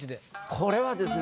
これはですね